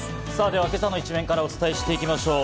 では、今朝の一面からお伝えしていきましょう。